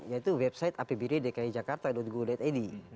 yaitu website apbd dkijakarta go id